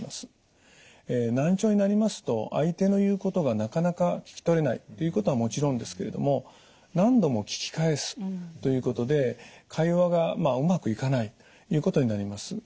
難聴になりますと相手の言うことがなかなか聞き取れないということはもちろんですけれども何度も聞き返すということで会話がうまくいかないということになります。